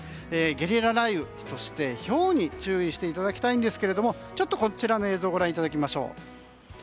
ゲリラ雷雨、そしてひょうに注意していただきたいんですけれどもこちらの映像をご覧いただきましょう。